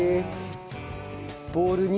ボウルに。